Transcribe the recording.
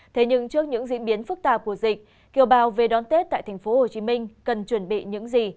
thế nhưng trước những diễn biến phức tạp của dịch kiều bào về đón tết tại tp hcm cần chuẩn bị những gì